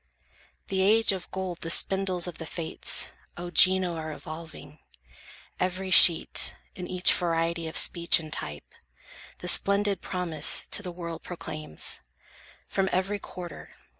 The age of gold the spindles of the Fates, O Gino, are evolving. Every sheet, In each variety of speech and type, The splendid promise to the world proclaims, From every quarter.